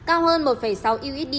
cao hơn một sáu usd